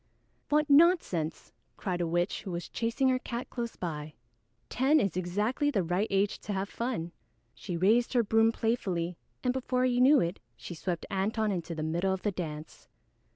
"What nonsense!" cried a witch who was chasing her cat close by. "Ten is exactly the right age to have fun." She raised her broom playfully, and before he knew it, she swept Antone into the middle of the dance.